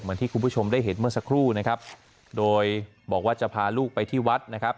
ที่คุณผู้ชมได้เห็นเมื่อสักครู่นะครับโดยบอกว่าจะพาลูกไปที่วัดนะครับ